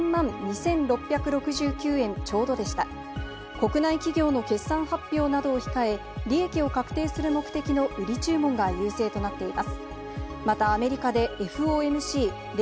国内企業の決算発表などを控え、利益を確定する目的の売り注文がまだ始めてないの？